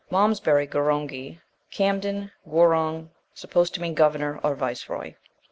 Malmesbury, Gorongi; Camden, Guorong, supposed to mean governor, or viceroy.